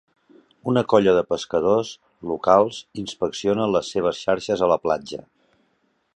Una colla de pescadors locals inspecciona les seves xarxes a la platja